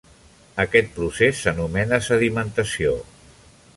Aquest procés s'anomena sedimentació.